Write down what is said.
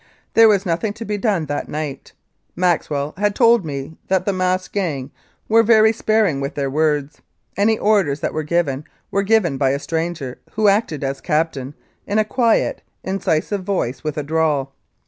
There was nothing to be done that night. Maxwell had told me that the masked gang were very sparing with their words. Any orders that were given were given by a stranger, who acted as captain, in a quiet, incisive voice with a drawl.